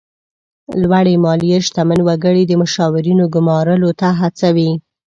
لوړې مالیې شتمن وګړي د مشاورینو ګمارلو ته هڅوي.